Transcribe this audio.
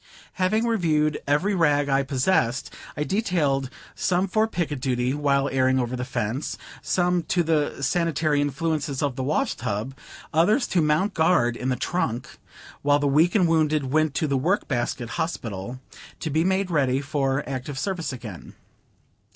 Having reviewed every rag I possessed, I detailed some for picket duty while airing over the fence; some to the sanitary influences of the wash tub; others to mount guard in the trunk; while the weak and wounded went to the Work basket Hospital, to be made ready for active service again.